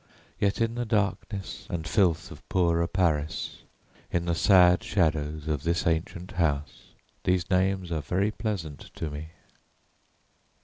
Yet in the darkness and filth of poorer Paris, in the sad shadows of this ancient house, these names are very pleasant to me."